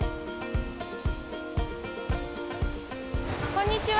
こんにちは。